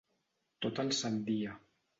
Tot el sant dia.